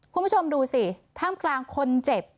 คุณผู้ชมดูสิท่ามกลางคนเจ็บ